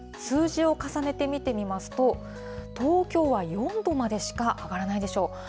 数字を重ねて見てみますと、東京は４度までしか上がらないでしょう。